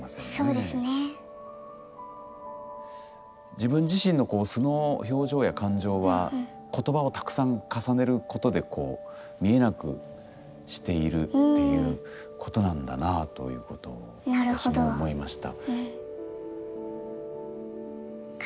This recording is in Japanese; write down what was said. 自分自身のこう素の表情や感情は言葉をたくさん重ねることでこう見えなくしているっていうことなんだなあということを私も思いました。